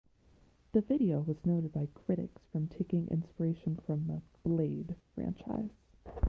The video was noted by critics from taking inspiration from the "Blade" franchise.